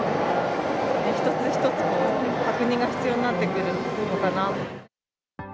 一つ一つ確認が必要になってくるのかなと。